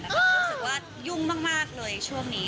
แล้วก็รู้สึกว่ายุ่งมากเลยช่วงนี้